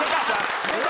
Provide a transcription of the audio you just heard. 出た。